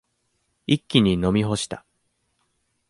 一気に飲み干した。